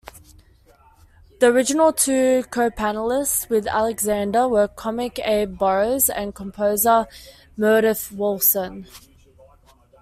The original two co-panelists with Alexander were comic Abe Burrows and composer Meredith Willson.